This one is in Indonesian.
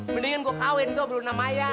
mendingan gua kawin gua belum nama ayah